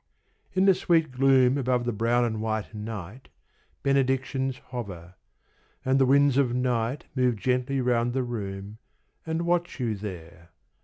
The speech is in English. In the sweet gloom above the brown and white Night benedictions hover; and the winds of night Move gently round the room, and watch you there.